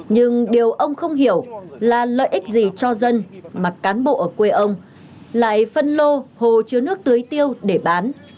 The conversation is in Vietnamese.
nhưng điều ông không hiểu là lợi ích gì cho dân mà cán bộ ở quê ông lại phân lô hồ chứa nước tưới tiêu để bán